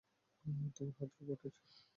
তোমার হাত রোবটের।